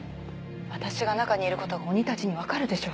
私が中にいることが鬼たちに分かるでしょ。